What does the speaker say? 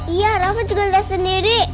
iya rafa juga lihat sendiri